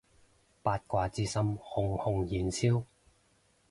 八卦之心熊熊燃燒